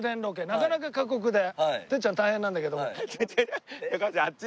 なかなか過酷でてっちゃん大変なんだけども。